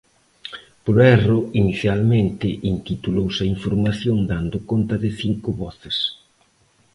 Por erro, inicialmente intitulouse a información dando conta de cinco voces.